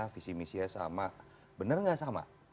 visi misinya sama benar nggak sama